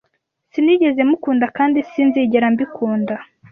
Sinigeze mukunda kandi sinzigera mbikunda.